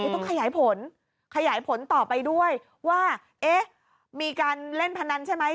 ต้องขยายผลขยายผลต่อไปด้วยว่าเอ๊ะมีการเล่นพนันใช่ไหม